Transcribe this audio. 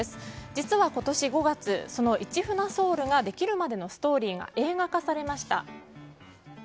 実は今年５月、その「市船ｓｏｕｌ」ができるまでのストーリーが映画化されました。